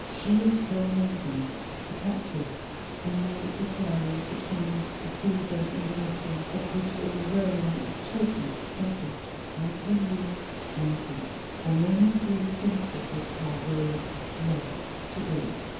She is Pearl Maiden, the captive who made the quarrel between the Cæsars and Domitian, of which all Rome is talking. Gently, I tell you, gently, for many free princesses are worth less to day."